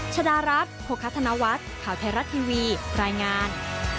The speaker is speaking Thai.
ชาดารักษ์โฆษฎนวัตรข่าวเทราะทีวีรายงาน